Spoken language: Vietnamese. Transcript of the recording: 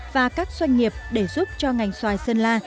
và các doanh nghiệp để giúp cho ngành xoài sơn la